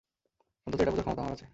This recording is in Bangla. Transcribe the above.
অন্তত এটা বুঝার ক্ষমতা আমার আছে।